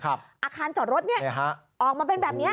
อาคารจอดรถออกมาเป็นแบบนี้